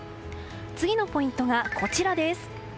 次のポイントが、こちらです。